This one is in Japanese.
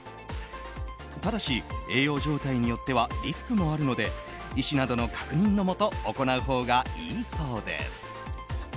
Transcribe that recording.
ただし、栄養状態によってはリスクもあるので医師などの確認のもと行うほうがいいそうです。